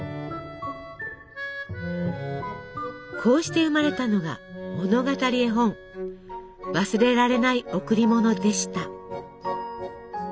こうして生まれたのが物語絵本「わすれられないおくりもの」でした。